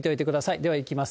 ではいきます。